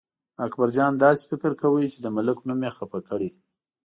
اکبرجان داسې فکر کاوه چې د ملک نوم یې خپه کړی.